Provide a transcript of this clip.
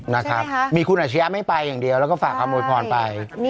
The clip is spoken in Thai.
นะครับมีคุณอาเชียะไม่ไปอย่างเดียวแล้วก็ฝากคำวดผ่อนไปใช่